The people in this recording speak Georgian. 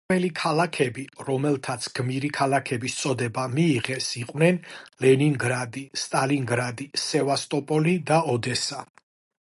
პირველი ქალაქები, რომელთაც გმირი ქალაქების წოდება მიიღეს, იყვნენ: ლენინგრადი, სტალინგრადი, სევასტოპოლი და ოდესა.